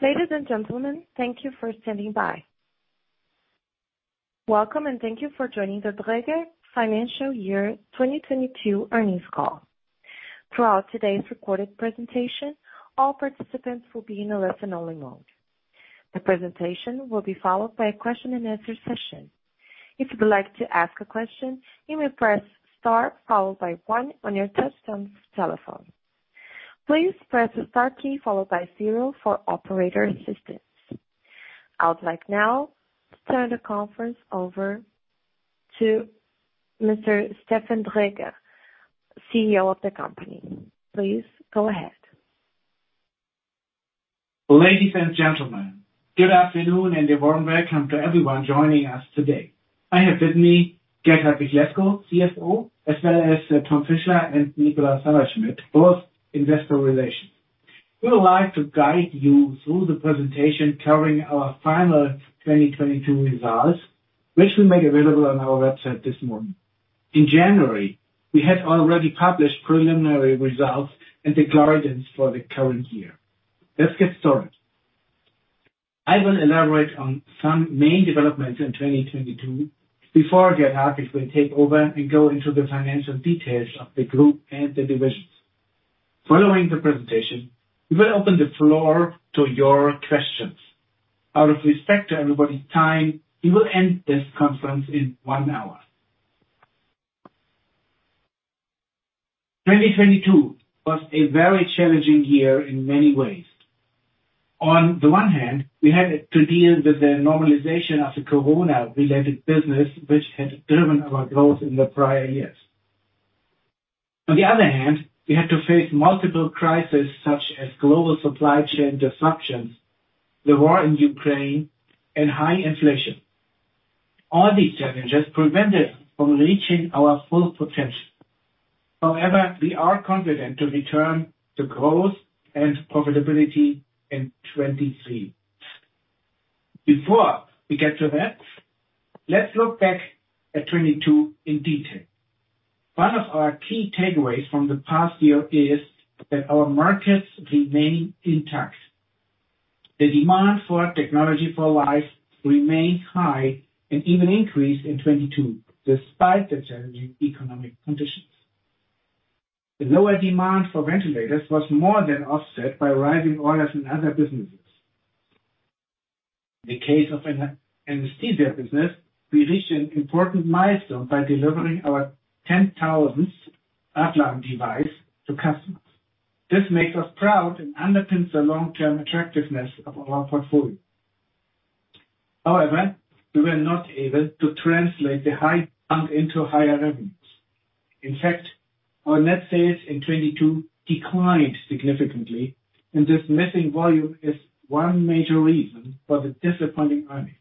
Ladies and gentlemen, thank you for standing by. Welcome, and thank you for joining the Dräger Financial Year 2022 Earnings Call. Throughout today's recorded presentation, all participants will be in a listen-only mode. The presentation will be followed by a question-and-answer session. If you would like to ask a question, you may press star followed by one on your touchtone telephone. Please press the star key followed by zero for operator assistance. I would like now to turn the conference over to Mr. Stefan Dräger, CEO of the company. Please go ahead. Ladies and gentlemen, good afternoon, and a warm welcome to everyone joining us today. I have with me, Gert-Hartwig Lescow, CFO, as well as Tom Fischler and Nikolaus Hammerschmidt, both investor relations. We would like to guide you through the presentation covering our final 2022 results, which we made available on our website this morning. In January, we had already published preliminary results and the guidance for the current year. Let's get started. I will elaborate on some main developments in 2022 before Gert-Hartwig will take over and go into the financial details of the group and the divisions. Following the presentation, we will open the floor to your questions. Out of respect to everybody's time, we will end this conference in one hour. 2022 was a very challenging year in many ways. On the one hand, we had to deal with the normalization of the COVID-related business, which had driven our growth in the prior years. On the other hand, we had to face multiple crises such as global supply chain disruptions, the war in Ukraine, and high inflation. All these challenges prevented us from reaching our full potential. However, we are confident to return to growth and profitability in 2023. Before we get to that, let's look back at 2022 in detail. One of our key takeaways from the past year is that our markets remain intact. The demand for Technology for Life remains high and even increased in 2022 despite the challenging economic conditions. The lower demand for ventilators was more than offset by rising orders in other businesses. In the case of an anesthesia business, we reached an important milestone by delivering our 10,000 Apollo device to customers. This makes us proud and underpins the long-term attractiveness of our portfolio. However, we were not able to translate the high demand into higher revenues. In fact, our net sales in 2022 declined significantly, and this missing volume is one major reason for the disappointing earnings.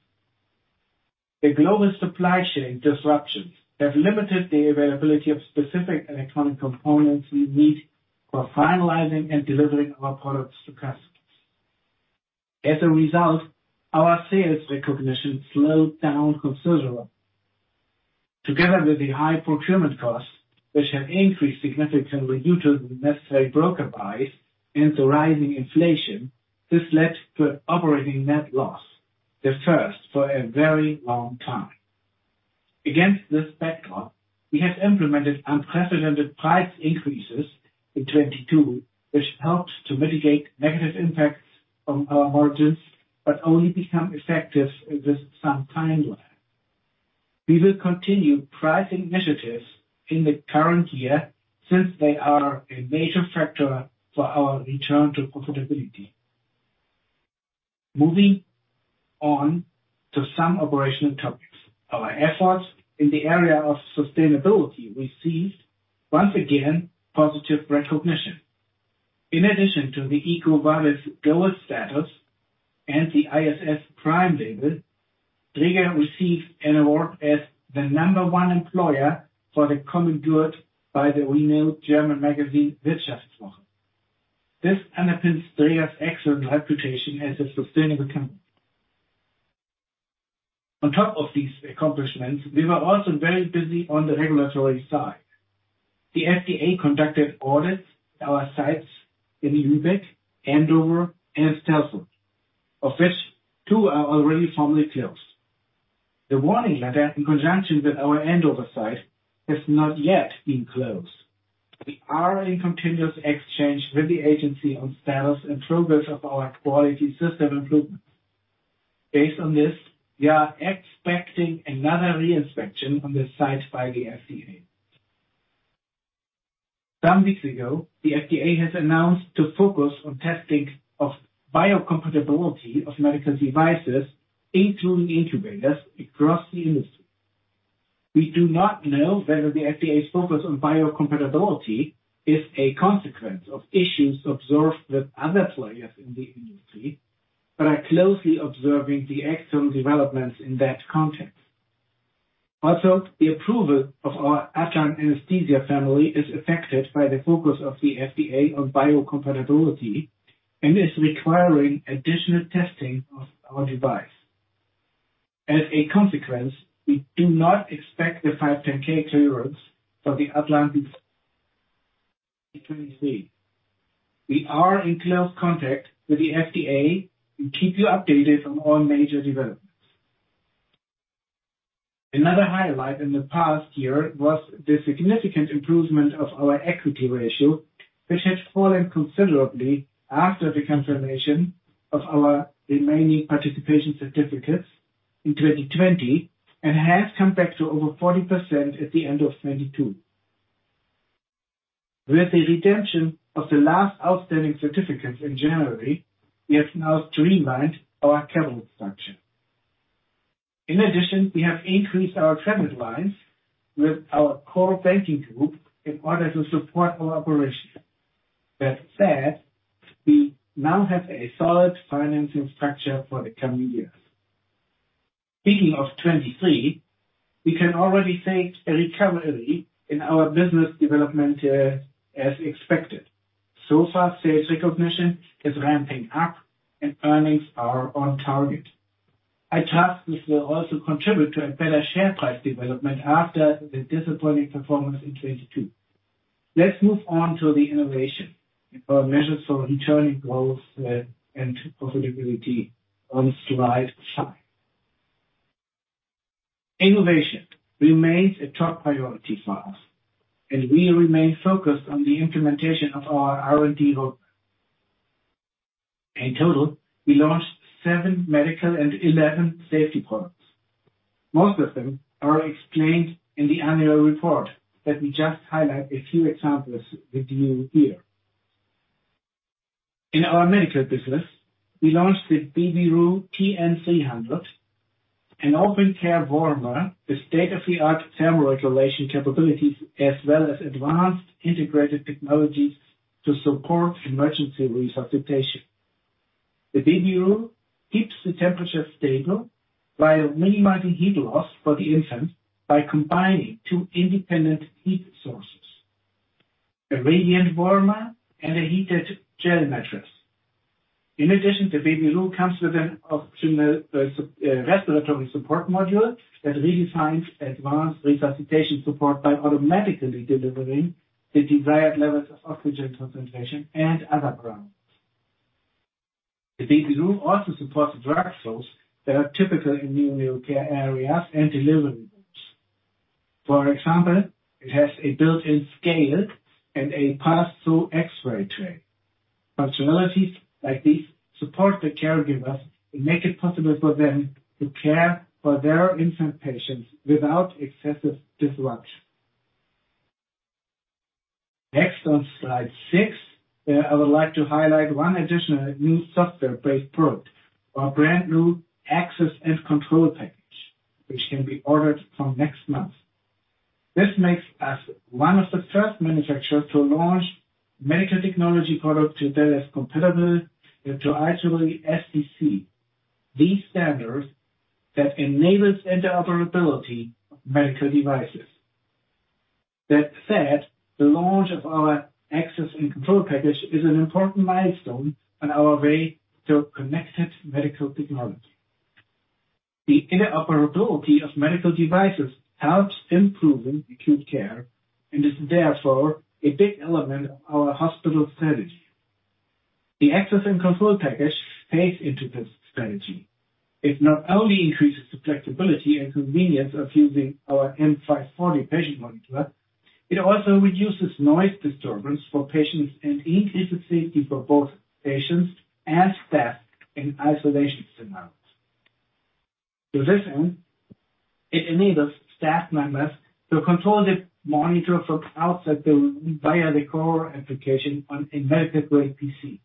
The global supply chain disruptions have limited the availability of specific electronic components we need for finalizing and delivering our products to customers. As a result, our sales recognition slowed down considerably. Together with the high procurement costs, which have increased significantly due to the necessary broker price and the rising inflation, this led to an operating net loss, the first for a very long time. Against this backdrop, we have implemented unprecedented price increases in 2022, which helps to mitigate negative impacts on our margins, but only become effective with some timeline. We will continue pricing initiatives in the current year since they are a major factor for our return to profitability. Moving on to some operational topics. Our efforts in the area of sustainability received, once again, positive recognition. In addition to the EcoVadis Gold status and the ISS Prime label, Dräger received an award as the number one employer for the common good by the renowned German magazine, Wirtschaftswoche. This underpins Dräger's excellent reputation as a sustainable company. On top of these accomplishments, we were also very busy on the regulatory side. The FDA conducted audits at our sites in Lübeck, Andover, and Telford, of which two are already formally closed. The warning letter in conjunction with our Andover site has not yet been closed. We are in continuous exchange with the agency on status and progress of our quality system improvements. Based on this, we are expecting another re-inspection on the site by the FDA. Some weeks ago, the FDA has announced to focus on testing of biocompatibility of medical devices, including incubators across the industry. We do not know whether the FDA's focus on biocompatibility is a consequence of issues observed with other players in the industry, but are closely observing the external developments in that context. The approval of our Atlan anesthesia family is affected by the focus of the FDA on biocompatibility and is requiring additional testing of our device. As a consequence, we do not expect the 510(k) clearance for the Atlan A300. We are in close contact with the FDA. We'll keep you updated on all major developments. Another highlight in the past year was the significant improvement of our equity ratio, which had fallen considerably after the confirmation of our remaining participation certificates in 2020, and has come back to over 40% at the end of 2022. With the redemption of the last outstanding certificates in January, we have now streamlined our capital structure. In addition, we have increased our credit lines with our core banking group in order to support our operations. That said, we now have a solid financing structure for the coming years. Speaking of 2023, we can already say a recovery in our business development here as expected. Sales recognition is ramping up and earnings are on target. I trust this will also contribute to a better share price development after the disappointing performance in 2022. Let's move on to the innovation. Our measures for returning growth and profitability on slide five. Innovation remains a top priority for us. We remain focused on the implementation of our R&D goal. In total, we launched seven medical and 11 safety products. Most of them are explained in the annual report. Let me just highlight a few examples with you here. In our medical business, we launched the Babyroo TN300, an open care warmer with state-of-the-art thermal regulation capabilities as well as advanced integrated technologies to support emergency resuscitation. The Babyroo keeps the temperature stable while minimizing heat loss for the infant by combining two independent heat sources: a radiant warmer and a heated gel mattress. In addition, the Babyroo comes with an optional respiratory support module that redefines advanced resuscitation support by automatically delivering the desired levels of oxygen concentration and other parameters. The Babyroo also supports the workflows that are typical in neonatal care areas and delivery rooms. For example, it has a built-in scale and a pass-through X-ray tray. Functionalities like these support the caregivers and make it possible for them to care for their infant patients without excessive disruption. Next on slide six, I would like to highlight one additional new software-based product. Our brand new Access and Control Package, which can be ordered from next month. This makes us one of the first manufacturers to launch medical technology products that is compatible with the IEEE SDC. These standards that enables interoperability of medical devices. That said, the launch of our Access and Control Package is an important milestone on our way to connected medical technology. The interoperability of medical devices helps improving acute care and is therefore a big element of our hospital strategy. The Access and Control Package plays into this strategy. It not only increases the flexibility and convenience of using our M540 patient monitor, it also reduces noise disturbance for patients and increases safety for both patients and staff in isolation scenarios. It enables staff members to control the monitor from outside the room via the core application on a medical-grade PC.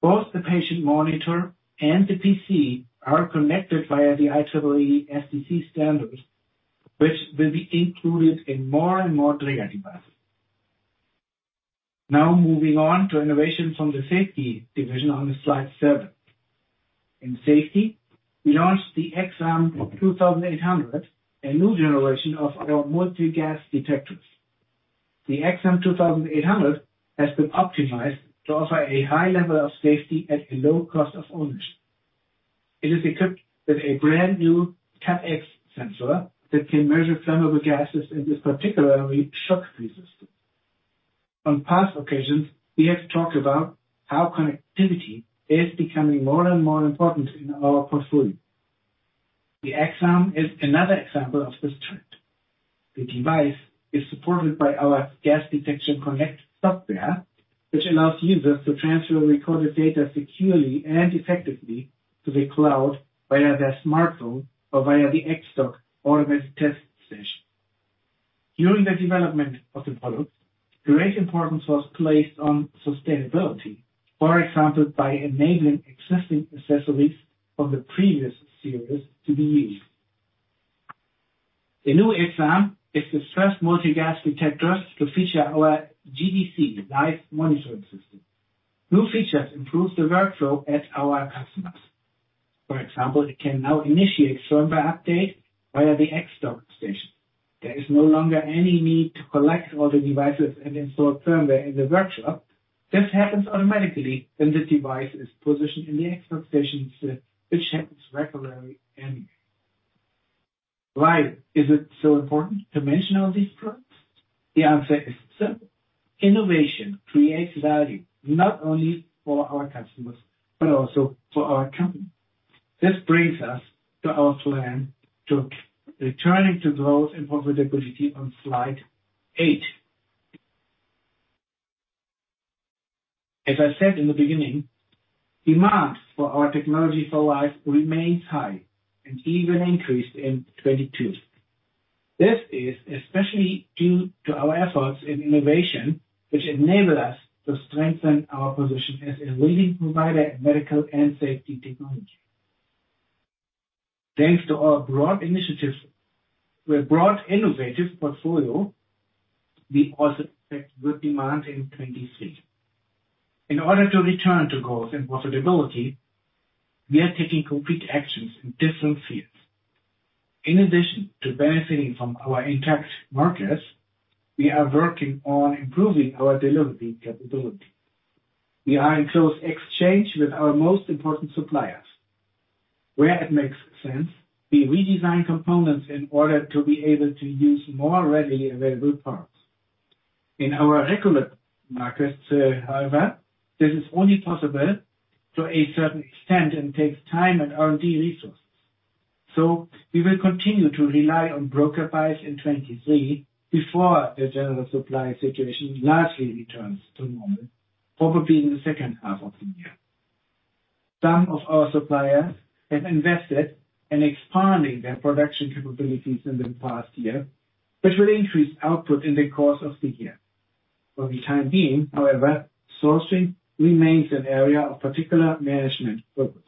Both the patient monitor and the PC are connected via the IEEE 11073 SDC standard, which will be included in more and more Dräger devices. Moving on to innovation from the safety division on the slide seven. In safety, we launched the X-am 2800, a new generation of our multi-gas detectors. The X-am 2800 has been optimized to offer a high level of safety at a low cost of ownership. It is equipped with a brand-new CatEx sensor that can measure flammable gases and is particularly shock-resistant. On past occasions, we have talked about how connectivity is becoming more and more important in our portfolio. The X-am is another example of this trend. The device is supported by our Gas Detection Connect software, which allows users to transfer recorded data securely and effectively to the cloud via their smartphone or via the X-dock automatic test station. During the development of the product, great importance was placed on sustainability. By enabling existing accessories from the previous series to be used. The new X-am is the first multi-gas detector to feature our GDC live monitoring system. New features improve the workflow at our customers. For example, it can now initiate firmware update via the X-dock station. There is no longer any need to collect all the devices and install firmware in the workshop. This happens automatically when the device is positioned in the X-dock station, which happens regularly anyway. Why is it so important to mention all these products? The answer is simple. Innovation creates value, not only for our customers, but also for our company. This brings us to our plan to returning to growth and profitability on slide eight. As I said in the beginning, demand for our Technology for Life remains high and even increased in 22. This is especially due to our efforts in innovation, which enable us to strengthen our position as a leading provider in medical and safety technology. Thanks to our broad innovative portfolio, we also expect good demand in 2023. In order to return to growth and profitability, we are taking concrete actions in different fields. In addition to benefiting from our intact markets, we are working on improving our delivery capability. We are in close exchange with our most important suppliers. Where it makes sense, we redesign components in order to be able to use more readily available parts. In our regular markets, however, this is only possible to a certain extent and takes time and R&D resources. We will continue to rely on broker buys in 2023 before the general supply situation largely returns to normal, probably in the second half of the year. Some of our suppliers have invested in expanding their production capabilities in the past year, which will increase output in the course of the year. For the time being, however, sourcing remains an area of particular management focus.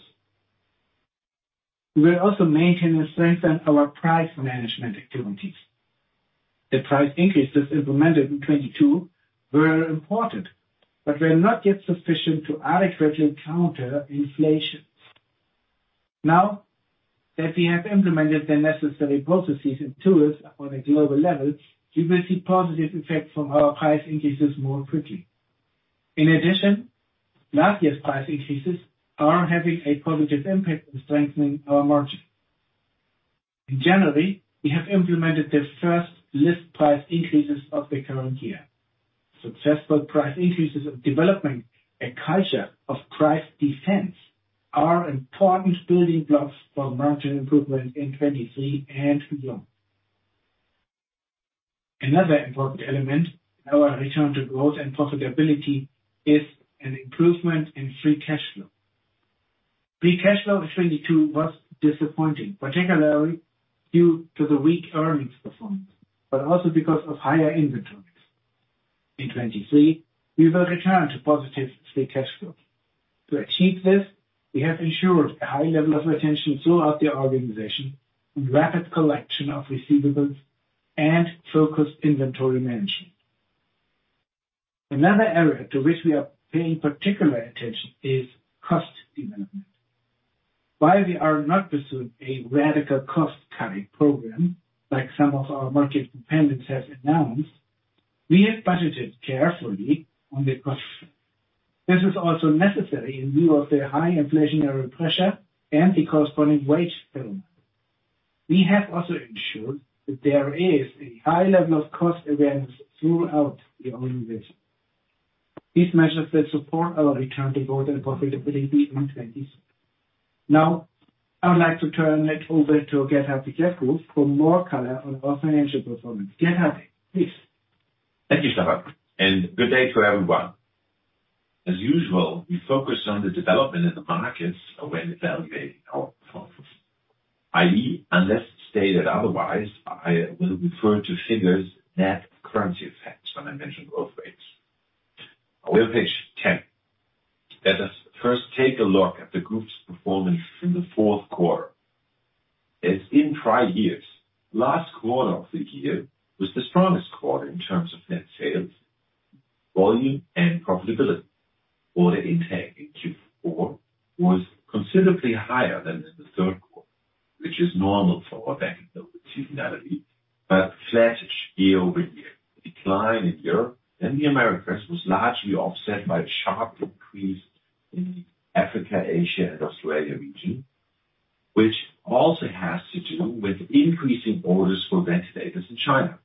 We will also maintain and strengthen our price management activities. The price increases implemented in 2022 were important, but were not yet sufficient to adequately counter inflation. Now that we have implemented the necessary processes and tools on a global level, we will see positive effects from our price increases more quickly. In addition, last year's price increases are having a positive impact in strengthening our margin. In January, we have implemented the first list price increases of the current year. Successful price increases of developing a culture of price defense are important building blocks for margin improvement in 2023 and beyond. Another important element in our return to growth and profitability is an improvement in free cash flow. Free cash flow in 2022 was disappointing, particularly due to the weak earnings performance, but also because of higher inventories. In 2023, we will return to positive free cash flow. To achieve this, we have ensured a high level of attention throughout the organization with rapid collection of receivables and focused inventory management. Another area to which we are paying particular attention is cost development. While we are not pursuing a radical cost-cutting program like some of our market dependents have announced, we have budgeted carefully on the cost. This is also necessary in view of the high inflationary pressure and the corresponding wage bill. We have also ensured that there is a high level of cost awareness throughout the organization. These measures will support our return to growth and profitability in 2023. Now, I would like to turn it over to Gert-Hartwig Lescow for more color on our financial performance. Gert-Hartwig, please. Thank you, Stefan. Good day to everyone. As usual, we focus on the development in the markets when evaluating our performance. I.e., unless stated otherwise, I will refer to figures net of currency effects when I mention growth rates. On page 10. Let us first take a look at the group's performance in the fourth quarter. As in prior years, last quarter of the year was the strongest quarter in terms of net sales, volume, and profitability. Order intake in Q4 was considerably higher than in the third quarter, which is normal for our bank, though, with seasonality, but a flattish year-over-year decline in Europe and the Americas was largely offset by a sharp increase in Africa, Asia, and Australia region, which also has to do with increasing orders for ventilators in China.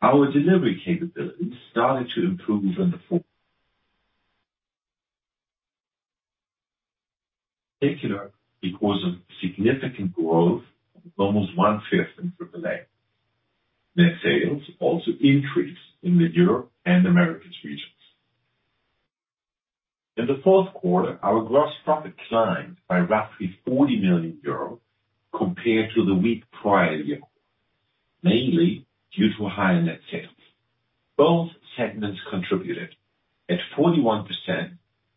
Our delivery capabilities started to improve in the fourth particular because of significant growth of almost 1/5 in AAA. Net sales also increased in the Europe and Americas regions. In the fourth quarter, our gross profit climbed by roughly 40 million euros compared to the weak prior year, mainly due to higher net sales. Both segments contributed. At 41%,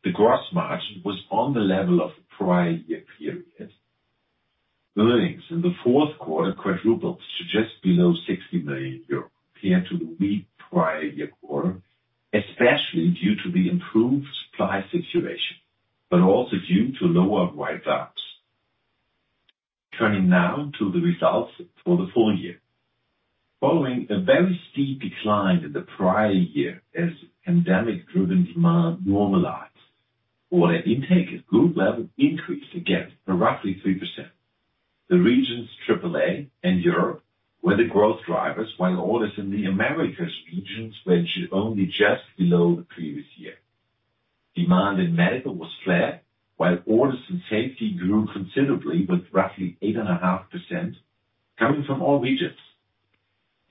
the gross margin was on the level of the prior year period. The earnings in the fourth quarter quadrupled to just below 60 million euros compared to the weak prior year quarter, especially due to the improved supply situation. Also due to lower write-ups. Turning now to the results for the full year. Following a very steep decline in the prior year as pandemic-driven demand normalized, order intake at group level increased again by roughly 3%. The regions AAA and Europe were the growth drivers, while orders in the Americas regions were actually only just below the previous year. Demand in medical was flat, while orders in safety grew considerably, with roughly 8.5% coming from all regions.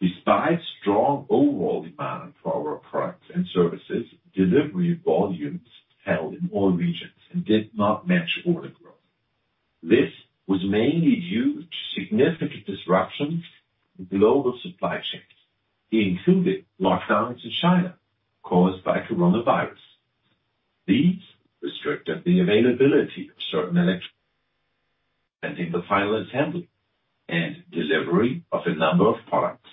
Despite strong overall demand for our products and services, delivery volumes fell in all regions and did not match order growth. This was mainly due to significant disruptions in global supply chains, including lockdowns in China caused by coronavirus. These restricted the availability of certain elect-- and in the final assembly and delivery of a number of products.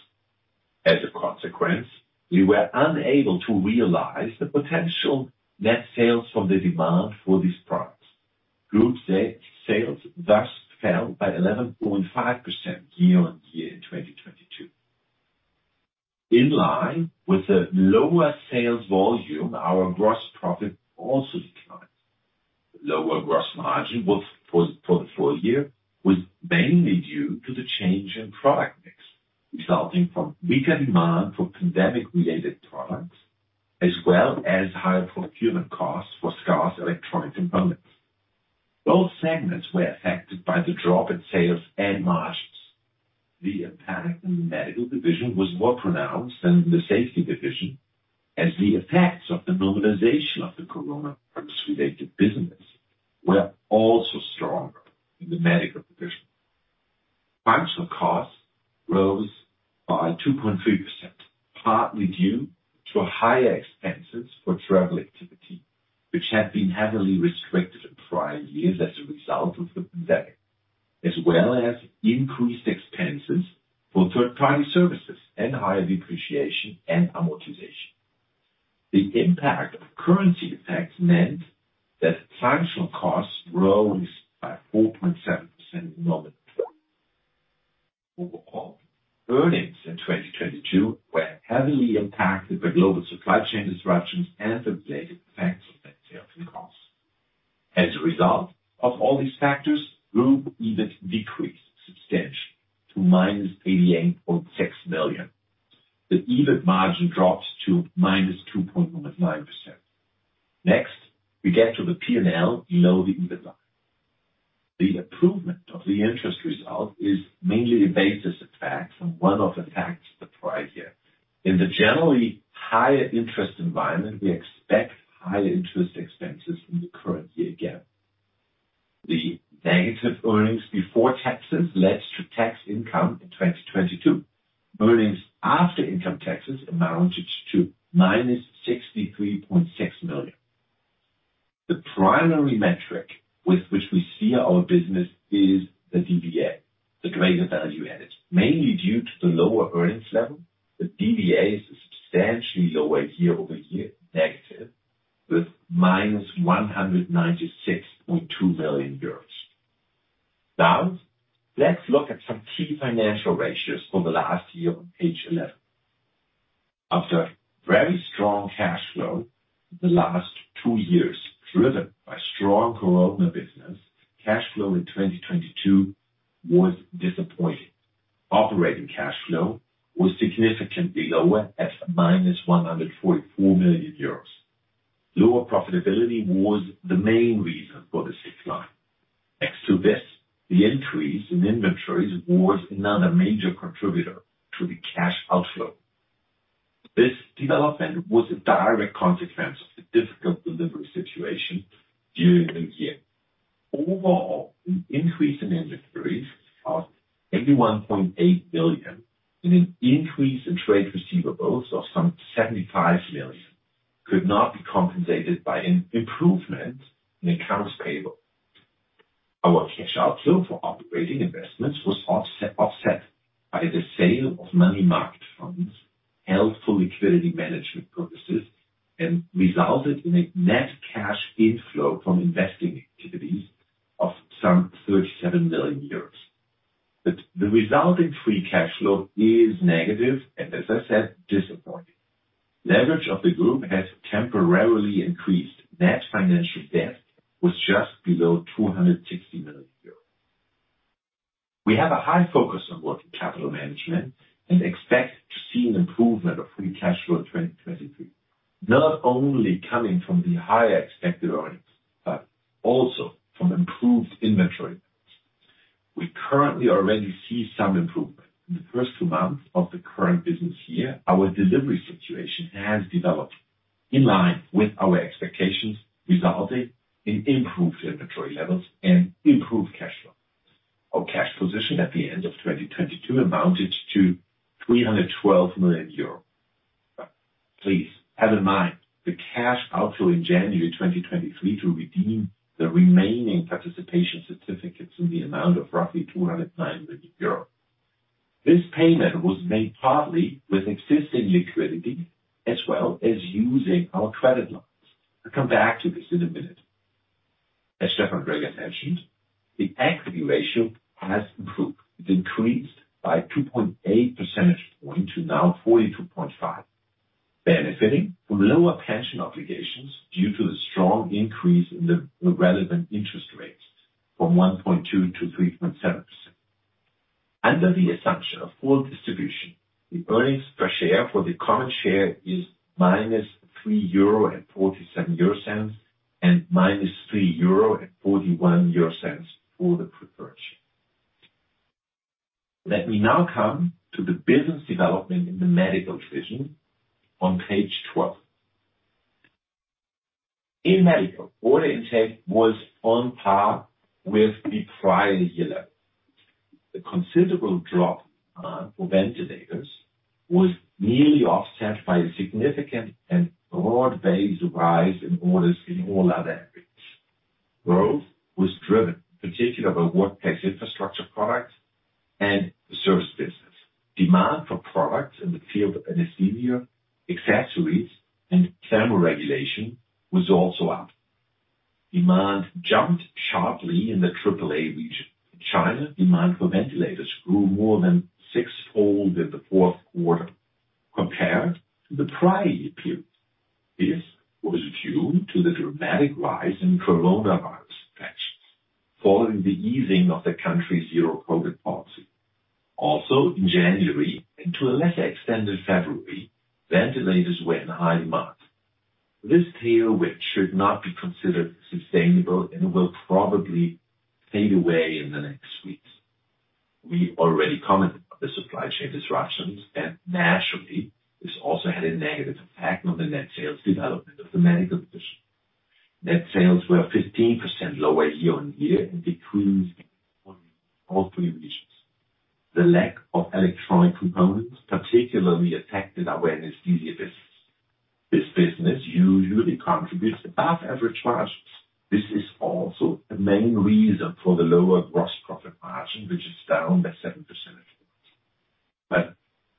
As a consequence, we were unable to realize the potential net sales from the demand for these products. Group sales fell by 11.5% year-on-year in 2022. In line with the lower sales volume, our gross profit also declined. Lower gross margin was for the full year was mainly due to the change in product mix, resulting from weaker demand for pandemic-related products, as well as higher procurement costs for scarce electronic components. Both segments were affected by the drop in sales and margins. The impact in medical division was more pronounced than in the Safety division, as the effects of the normalization of the coronavirus-related business were also stronger in the medical division. Functional costs rose by 2.3%, partly due to higher expenses for travel activity, which had been heavily restricted in prior years as a result of the pandemic, as well as increased expenses for third-party services and higher depreciation and amortization. The impact of currency effects meant that functional costs rose by 4.7% nominally. Overall, earnings in 2022 were heavily impacted by global supply chain disruptions and the related effects on sales and costs. As a result of all these factors, group EBIT decreased substantially to minus 88.6 million. The EBIT margin dropped to -2.19%. Next, we get to the P&L below the EBIT line. The improvement of the interest result is mainly a basis effect and one-off effects the prior year. In the generally higher interest environment, we expect higher interest expenses in the current year again. The negative earnings before taxes led to tax income in 2022. Earnings after income taxes amounted to minus 63.6 million. The primary metric with which we see our business is the DVA, the Dräger Value Added. Mainly due to the lower earnings level, the DVA is substantially lower year-over-year negative with -196.2 million euros. Let's look at some key financial ratios for the last year on page 11. After very strong cash flow in the last two years, driven by strong corona business, cash flow in 2022 was disappointing. Operating cash flow was significantly lower at -144 million euros. Lower profitability was the main reason for this decline. Next to this, the increase in inventories was another major contributor to the cash outflow. This development was a direct consequence of the difficult delivery situation during the year. The increase in inventories of 81.8 billion and an increase in trade receivables of some 75 million could not be compensated by an improvement in accounts payable. Our cash outflow for operating investments was offset by the sale of money market funds held for liquidity management purposes, and resulted in a net cash inflow from investing activities of some 37 million euros. The resulting free cash flow is negative and, as I said, disappointing. Leverage of the group has temporarily increased. Net financial debt was just below 260 million euros. We have a high focus on working capital management and expect to see an improvement of free cash flow in 2023, not only coming from the higher expected earnings, but also from improved inventory. We currently already see some improvement. In the first two months of the current business year, our delivery situation has developed in line with our expectations, resulting in improved inventory levels and improved cash flow. Our cash position at the end of 2022 amounted to 312 million euros. Please have in mind the cash outflow in January 2023 to redeem the remaining participation certificates in the amount of roughly 209 million euros. This payment was made partly with existing liquidity as well as using our credit lines. I'll come back to this in a minute. As Gert-Hartwig mentioned, the equity ratio has improved. It increased by 2.8 percentage points to now 42.5, benefiting from lower pension obligations due to the strong increase in the relevant interest rates from 1.2-3.7. Under the assumption of full distribution, the earnings per share for the current share is -3.47 euro, and -3.41 euro for the preferred share. Let me now come to the business development in the medical division on page 12. In medical, order intake was on par with the prior year level. The considerable drop for ventilators was nearly offset by a significant and broad-based rise in orders in all other areas. Growth was driven particularly by Workplace Infrastructure products and the service business. Demand for products in the field of anesthesia, accessories, and thermoregulation was also up. Demand jumped sharply in the AAA region. In China, demand for ventilators grew more than sixfold in the fourth quarter compared to the prior year period. This was due to the dramatic rise in coronavirus infections following the easing of the country's zero-COVID policy. In January, and to a lesser extent in February, ventilators were in high demand. This tailwind should not be considered sustainable and will probably fade away in the next weeks. We already commented on the supply chain disruptions, and naturally, this also had a negative effect on the net sales development of the medical division. Net sales were 15% lower year-on-year and decreased in all three regions. The lack of electronic components particularly affected our anesthesia business. This business usually contributes above average margins. This is also the main reason for the lower gross profit margin, which is down by seven percentage points.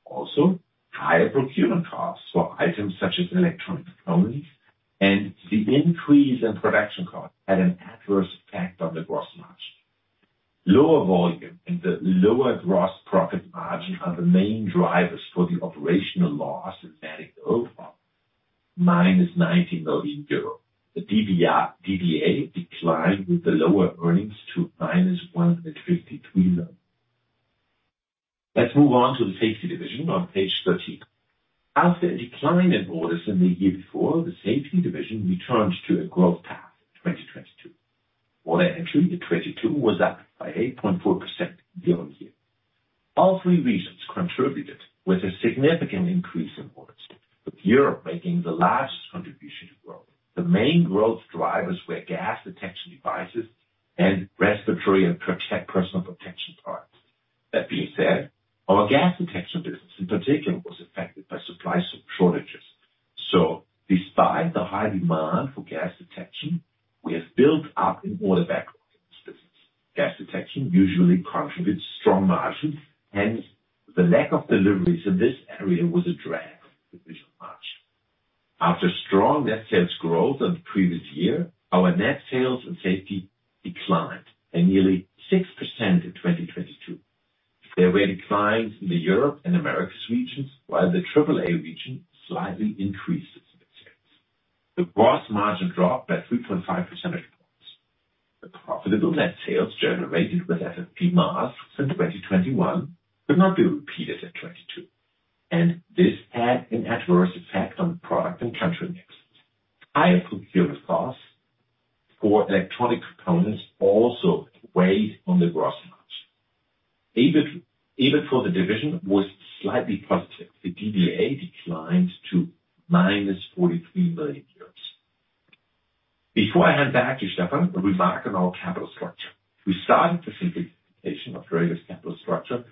Also higher procurement costs for items such as electronic components and the increase in production costs had an adverse effect on the gross margin. Lower volume and the lower gross EBIT for the division was slightly positive. The DVA declined to -43 million euros. Before I hand back to Stefan, a remark on our capital structure. We started the simplification of Dräger's capital structure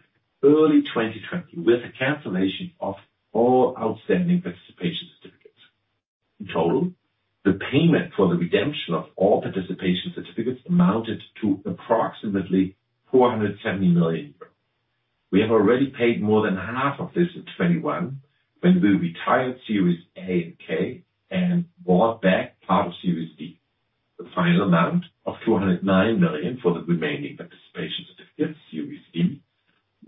early 2020 with the cancellation of all outstanding participation certificates. In total, the payment for the redemption of all participation certificates amounted to approximately 470 million euros. We have already paid more than half of this in 2021 when we retired series A and K and bought back part of series B. The final amount of 209 million for the remaining participation certificates, series B,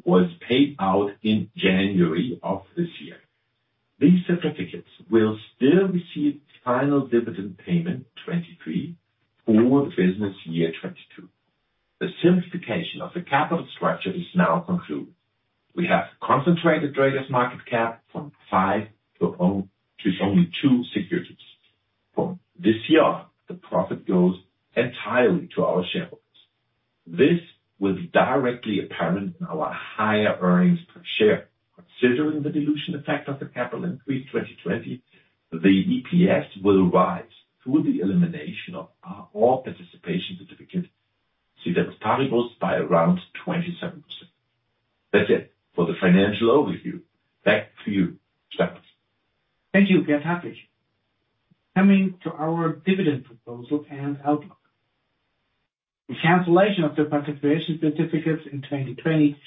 was paid out in January of this year. These certificates will still receive final dividend payment 2023 for the business year 2022. The simplification of the capital structure is now concluded. We have concentrated Dräger's market cap from five to only two securities. This year, the profit goes entirely to our shareholders. This was directly apparent in our higher earnings per share. Considering the dilution effect of the capital increase 2020, the EPS will rise through the elimination of all participation certificates. See that it probably goes by around 27%. That's it for the financial overview. Back to you, Stefan. Thank you, Gert-Hartwig. Coming to our dividend proposal and outlook. The cancellation of the participation certificates in 2020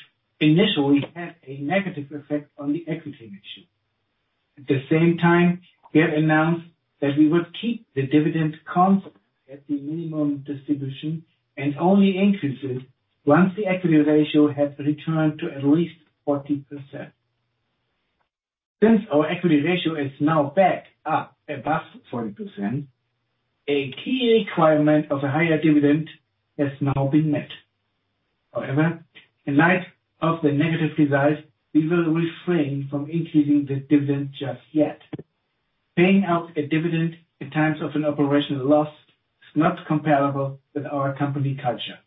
initially had a negative effect on the equity ratio. At the same time, we have announced that we would keep the dividend constant at the minimum distribution and only increase it once the equity ratio has returned to at least 40%. Our equity ratio is now back up above 40%, a key requirement of a higher dividend has now been met. In light of the negative results, we will refrain from increasing the dividend just yet. Paying out a dividend in times of an operational loss is not comparable with our company culture.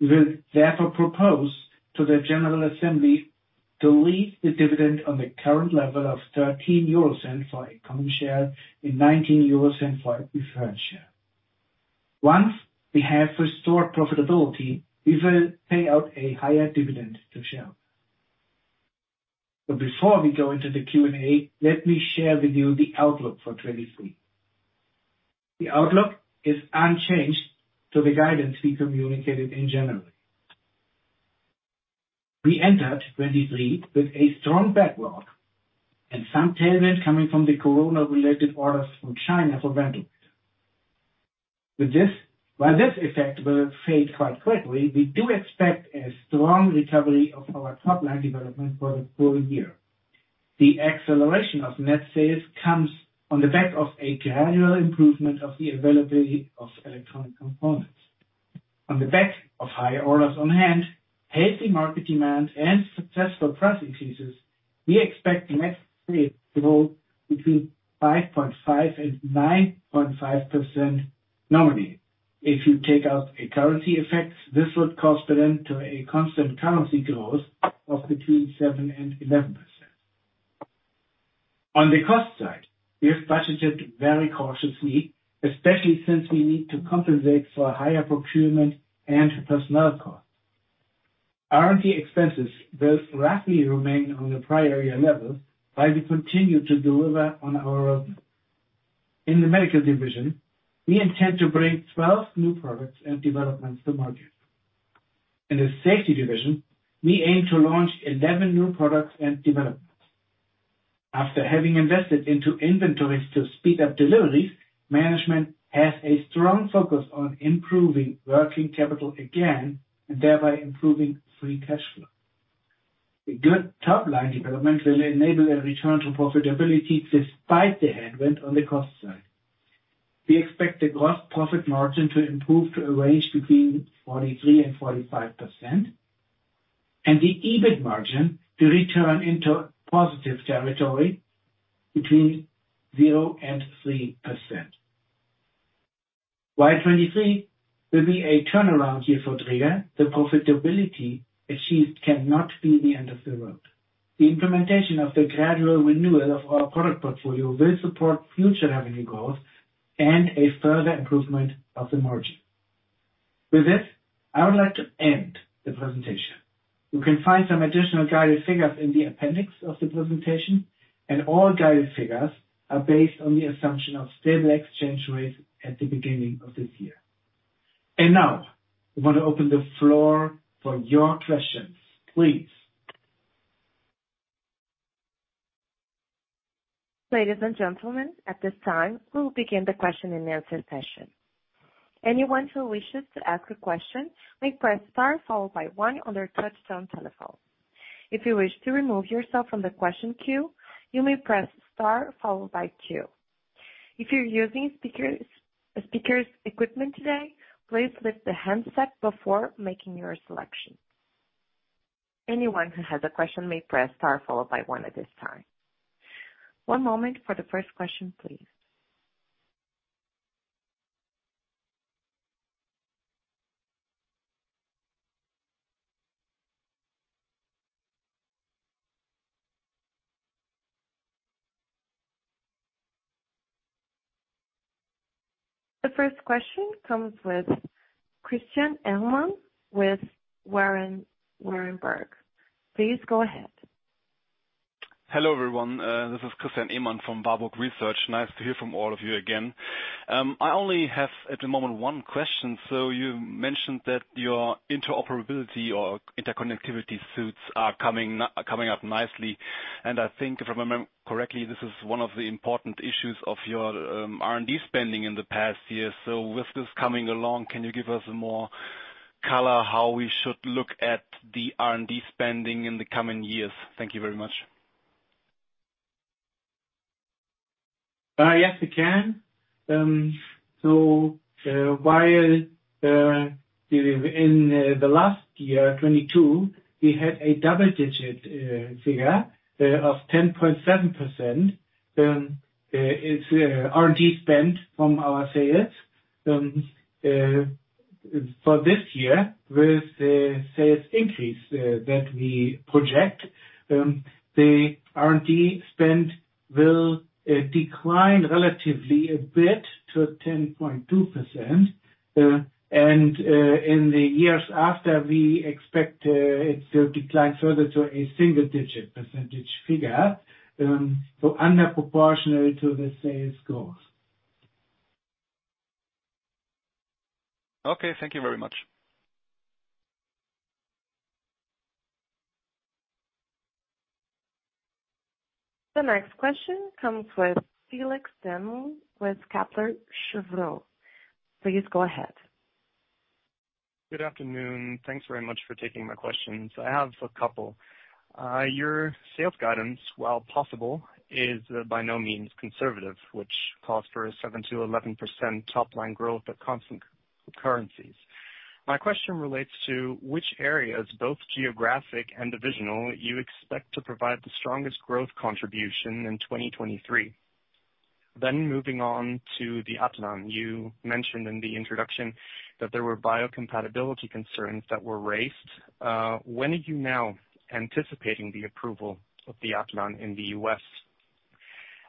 We will therefore propose to the general assembly to leave the dividend on the current level of 0.13 for a common share and 0.19 for a preferred share. Once we have restored profitability, we will pay out a higher dividend to share. Before we go into the Q&A, let me share with you the outlook for 2023. The outlook is unchanged to the guidance we communicated in January. We entered 2023 with a strong backlog and some tailwind coming from the COVID-related orders from China for ventilators. While this effect will fade quite quickly, we do expect a strong recovery of our top-line development for the full year. The acceleration of net sales comes on the back of a gradual improvement of the availability of electronic components. On the back of higher orders on hand, healthy market demand and successful price increases, we expect net sales to grow between 5.5%-9.5% normally. If you take out a currency effect, this would correspond to a constant currency growth of between 7% and 11%. On the cost side, we have budgeted very cautiously, especially since we need to compensate for higher procurement and personnel costs. R&D expenses will roughly remain on the prior year levels while we continue to deliver on our roadmap. In the medical division, we intend to bring 12 new products and developments to market. In the safety division, we aim to launch 11 new products and developments. After having invested into inventories to speed up deliveries, management has a strong focus on improving working capital again and thereby improving free cash flow. A good top-line development will enable a return to profitability despite the headwind on the cost side. We expect the gross profit margin to improve to a range between 43% and 45%, and the EBIT margin to return into positive territory between 0% and 3%. While 2023 will be a turnaround year for Dräger, the profitability achieved cannot be the end of the road. The implementation of the gradual renewal of our product portfolio will support future revenue growth and a further improvement of the margin. With this, I would like to end the presentation. You can find some additional guided figures in the appendix of the presentation, and all guided figures are based on the assumption of stable exchange rates at the beginning of this year. Now I want to open the floor for your questions, please. Ladies and gentlemen, at this time, we will begin the question and answer session. Anyone who wishes to ask a question may press star followed by one on their touchtone telephone. If you wish to remove yourself from the question queue, you may press star followed by two. If you're using speaker's equipment today, please lift the handset before making your selection. Anyone who has a question may press star followed by one at this time. One moment for the first question, please. The first question comes with Christian Ehmann with M.M. Warburg. Please go ahead. Hello, everyone. This is Christian Ehmann from Warburg Research. Nice to hear from all of you again. I only have, at the moment, one question. You mentioned that your interoperability or interconnectivity suits are coming up nicely. I think if I remember correctly, this is one of the important issues of your R&D spending in the past year. With this coming along, can you give us more color how we should look at the R&D spending in the coming years? Thank you very much. Yes, we can. While in the last year, 2022, we had a double digit figure of 10.7%, it's R&D spend from our sales. For this year with the sales increase that we project, the R&D spend will decline relatively a bit to 10.2%. In the years after, we expect it to decline further to a single digit percentage figure, so under proportional to the sales growth. Okay, thank you very much. The next question comes from Felix Dennl with Kepler Cheuvreux. Please go ahead. Good afternoon. Thanks very much for taking my questions. I have a couple. Your sales guidance, while possible, is by no means conservative, which calls for a 7%-11% top line growth at constant currencies. My question relates to which areas, both geographic and divisional, you expect to provide the strongest growth contribution in 2023. Moving on to the Atlan. You mentioned in the introduction that there were biocompatibility concerns that were raised. When are you now anticipating the approval of the Atlan in the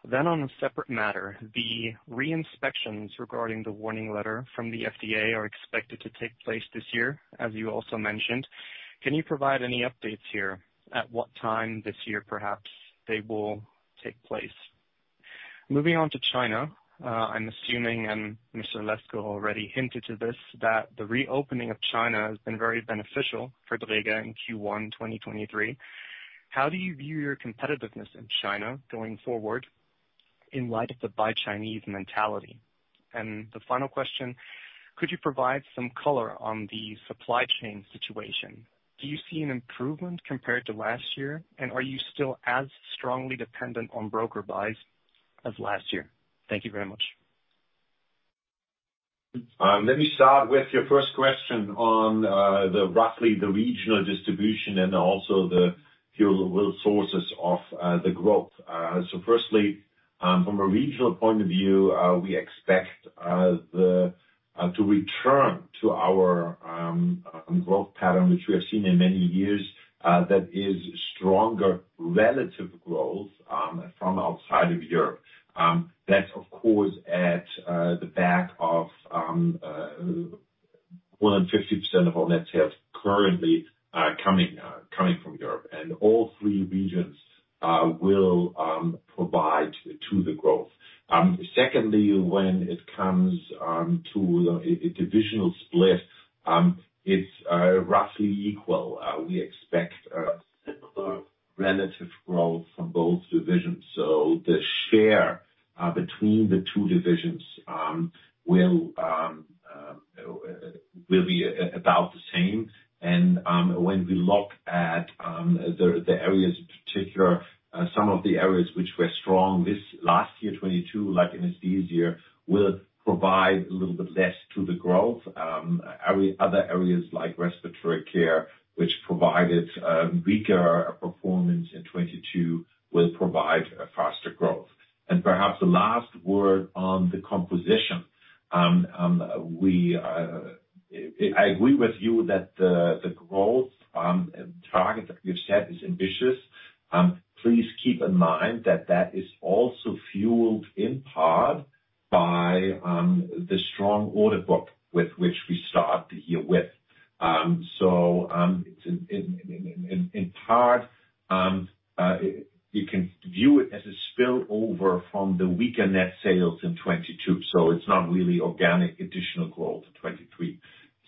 U.S.? On a separate matter, the re-inspections regarding the Warning Letter from the FDA are expected to take place this year, as you also mentioned. Can you provide any updates here, at what time this year perhaps they will take place? Moving on to China. I'm assuming, and Mr. Lescow already hinted to this, that the reopening of China has been very beneficial for Dräger in Q1 2023. How do you view your competitiveness in China going forward in light of the buy Chinese mentality? The final question, could you provide some color on the supply chain situation? Do you see an improvement compared to last year? Are you still as strongly dependent on broker buys as last year? Thank you very much. Let me start with your first question on the roughly the regional distribution and also the fuel sources of the growth. Firstly, from a regional point of view, we expect to return to our growth pattern, which we have seen in many years, that is stronger relative growth from outside of Europe. That's of course at the back of more than 50% of our net sales currently coming from Europe, all three regions will provide to the growth. Secondly, when it comes to a divisional split, it's roughly equal. We expect a similar relative growth from both divisions. The share between the two divisions will be about the same. When we look at the areas in particular, some of the areas which were strong this last year, 2022, like anesthesia, will provide a little bit less to the growth. Other areas like respiratory care, which provided weaker performance in 2022, will provide a faster growth. Perhaps a last word on the composition. We, I agree with you that the growth target that we've set is ambitious. Please keep in mind that that is also fueled in part by the strong order book with which we start the year with. In part, you can view it as a spillover from the weaker net sales in 2022, so it's not really organic additional growth, 2023.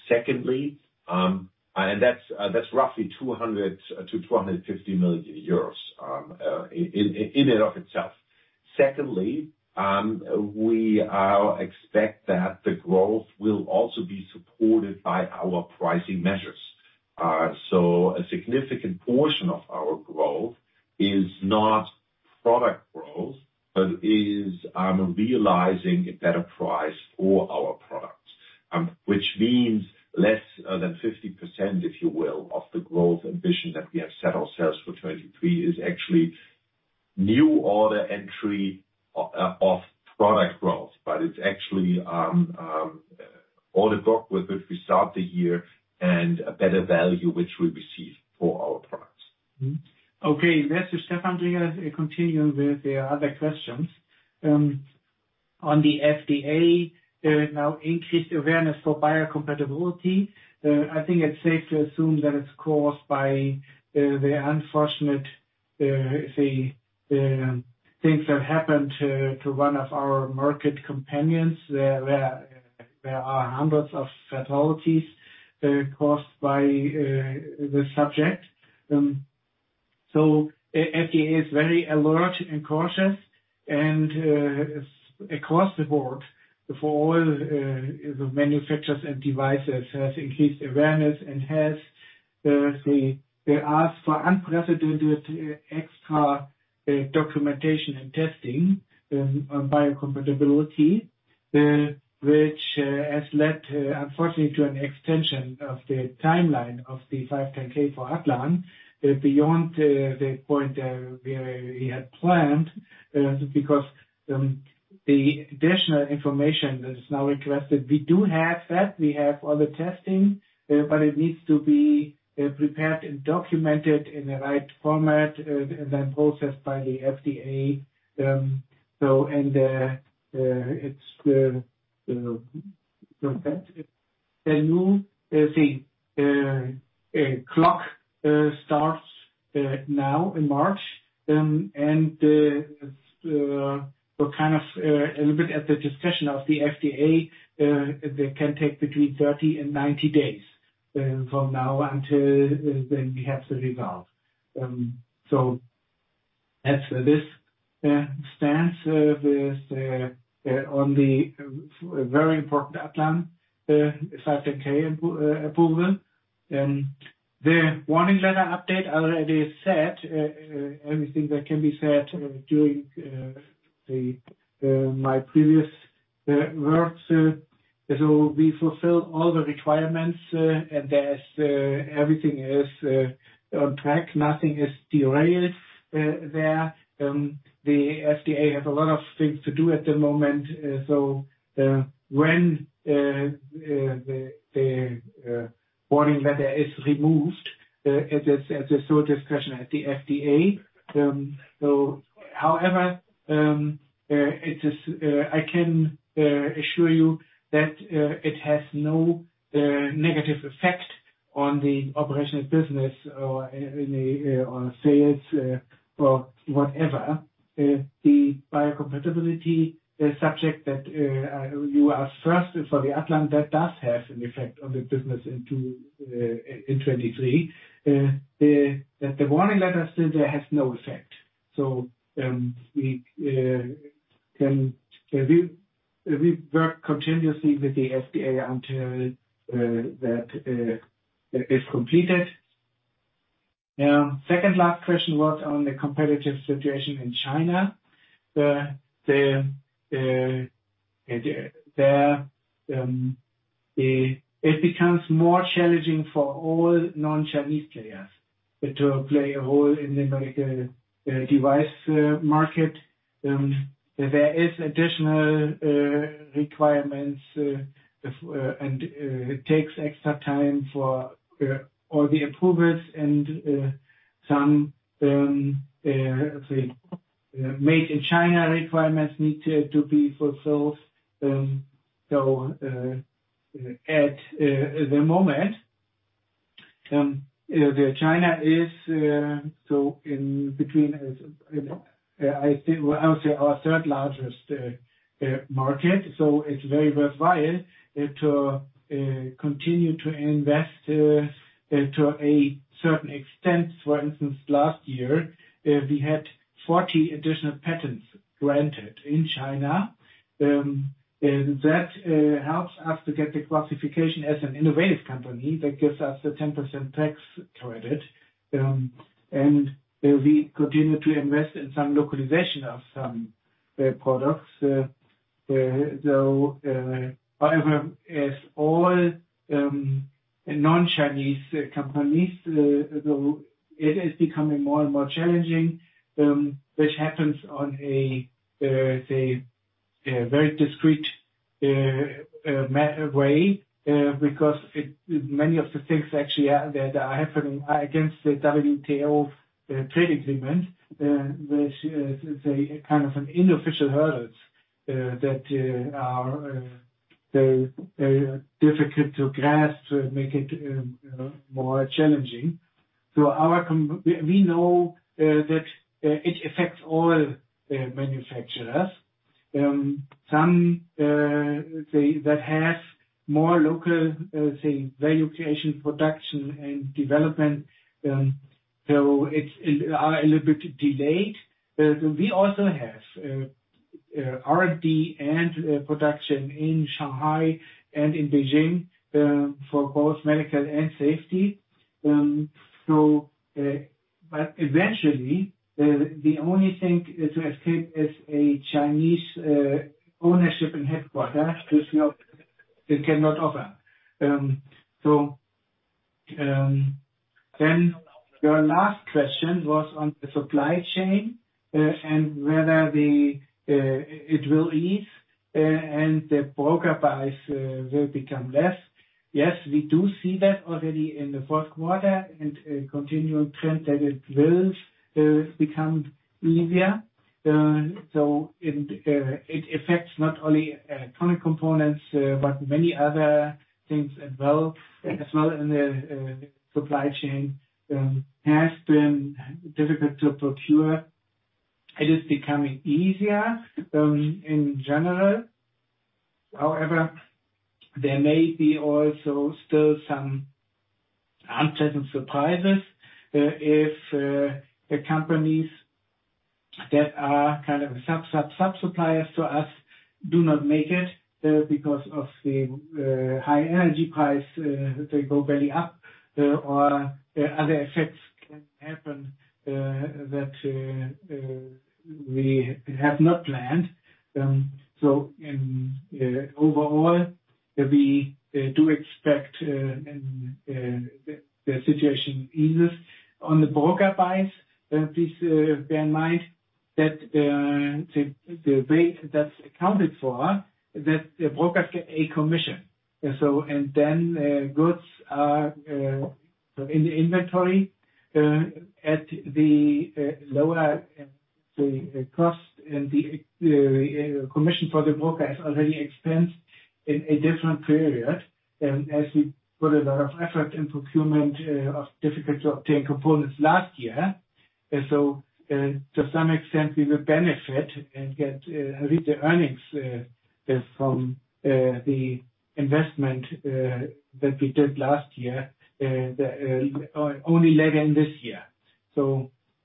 Secondly, that's roughly 200 million-250 million euros in and of itself. Secondly, we expect that the growth will also be supported by our pricing measures. A significant portion of our growth is not product growth, but is realizing a better price for our products, which means less than 50%, if you will, of the growth ambition that we have set ourselves for 2023 is actually new order entry of product growth. It's actually order book with which we start the year and a better value which we receive for our products. Okay. This is Stefan. I continue with the other questions. On the FDA, there is now increased awareness for biocompatibility. I think it's safe to assume that it's caused by the unfortunate things that happened to one of our market companions, where there are hundreds of fatalities caused by the subject. FDA is very alert and cautious and across the board for all the manufacturers and devices, has increased awareness and has, they ask for unprecedented extra documentation and testing on biocompatibility, which has led, unfortunately, to an extension of the timeline of the 510(k) for Atlan beyond the point where we had planned, because the additional information that is now requested, we do have that. We have all the testing, but it needs to be prepared and documented in the right format and then processed by the FDA. It's the new, the clock starts now in March. A little bit at the discretion of the FDA, they can take between 30 and 90 days from now until when we have the result. That's this stance of this on the very important approval. The Warning Letter update already said everything that can be said during the my previous words. We fulfill all the requirements, and as everything is on track, nothing is derailed there. The FDA has a lot of things to do at the moment. When the warning letter is removed, it is still a discussion at the FDA. However, I can assure you that it has no negative effect on the operational business or any on sales or whatever. The biocompatibility, the subject that you asked first for the inaudible, that does have an effect on the business into in 2023. The warning letter still there has no effect. We work continuously with the FDA until that is completed. Now, second last question was on the competitive situation in China. There, it becomes more challenging for all non-Chinese players to play a role in the medical device market. There is additional requirements, and it takes extra time for all the approvals and some say, made in China requirements need to be fulfilled. At the moment, the China is so in between, I think outside our third largest market. It's very worthwhile to continue to invest to a certain extent. For instance, last year, we had 40 additional patents granted in China, and that helps us to get the classification as an innovative company that gives us a 10% tax credit, and we continue to invest in some localization of some products. However, as all non-Chinese companies, it is becoming more and more challenging, which happens on a, say, a very discreet way, because many of the things actually that are happening against the WTO trade agreement, which is a kind of an unofficial hurdles that are difficult to grasp to make it more challenging. We know that it affects all manufacturers. Some, say, that have more local, say, valuation, production and development, so it's are a little bit delayed. We also have R&D and production in Shanghai and in Beijing for both medical and safety. Eventually, the only thing is to escape is a Chinese ownership and headquarters, which we cannot offer. Your last question was on the supply chain, and whether it will ease, and the broker buys will become less. Yes, we do see that already in the fourth quarter and a continuing trend that it will become easier. It affects not only current components, but many other things as well in the supply chain has been difficult to procure. It is becoming easier in general. However, there may be also still some uncertain surprises, if the companies that are kind of sub-sub-suppliers to us do not make it, because of the high energy price, they go belly up, or other effects can happen that we have not planned. In overall, we do expect in the situation eases. On the broker buys, please bear in mind that the way that's accounted for, that the brokers get a commission. Goods are in the inventory at the lower, say, cost, and the commission for the broker is already expensed in a different period. As we put a lot of effort in procurement of difficult to obtain components last year. To some extent, we will benefit and get read the earnings from the investment that we did last year, that only laid in this year.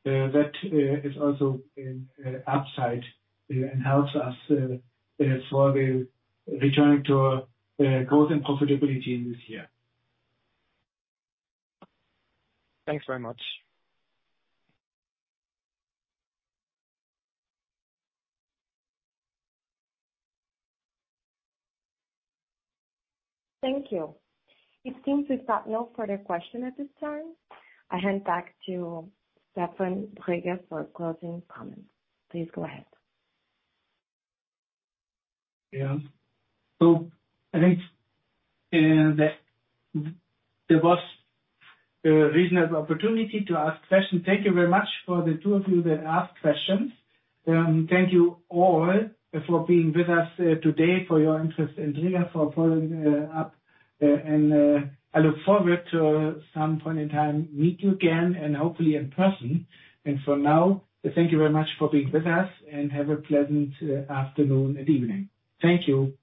That is also an upside and helps us for the returning to growth and profitability this year. Thanks very much. Thank you. It seems we've got no further question at this time. I hand back to Stefan Dräger for closing comments. Please go ahead. Yeah. I think that there was a reasonable opportunity to ask questions. Thank you very much for the two of you that asked questions. Thank you all for being with us today, for your interest in Dräger, for following up. I look forward to some point in time meet you again and hopefully in person. For now, thank you very much for being with us, and have a pleasant afternoon and evening. Thank you.